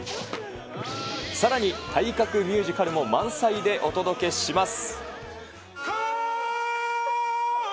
さらに体格ミュージカルも満載でお届けします。